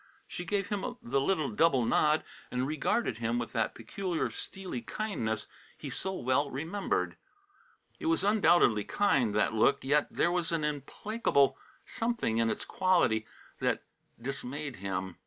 She gave him the little double nod and regarded him with that peculiar steely kindness he so well remembered. It was undoubtedly kind, that look, yet there was an implacable something in its quality that dismayed him.